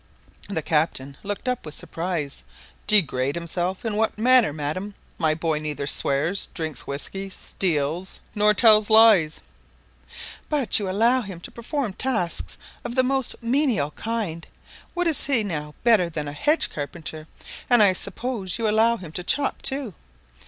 The captain looked up with surprise. "Degrade himself! In what manner, madam? My boy neither swears, drinks whiskey, steals, nor tells lies." "But you allow him to perform tasks of the most menial kind. What is he now better than a hedge carpenter; and I suppose you allow him to chop, too?"